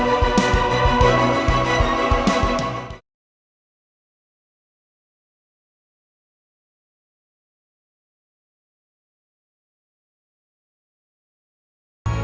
tapi kalian yang pergi dari sini